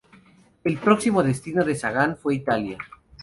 El próximo destino de Sagan fue Italia.